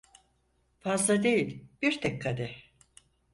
Fazla değil bir tek kadeh…